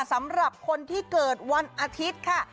สำหรับคนที่เกิดวันอาทิตย์ค่ะ